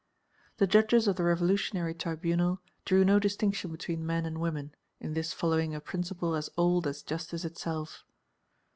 The judges of the Revolutionary Tribunal drew no distinction between men and women, in this following a principle as old as justice itself.